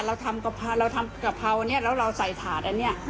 เราทำกะเพราอันนี้แล้วเราใส่ถาดอันนี้